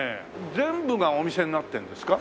全部がお店になってるんですか？